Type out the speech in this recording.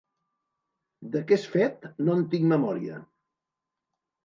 D'aquest fet, no en tinc memòria.